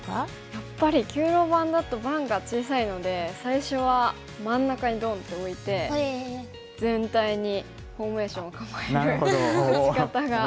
やっぱり９路盤だと盤が小さいので最初は真ん中にドンッて置いて全体にフォーメーションを構える打ち方が多いんですかね。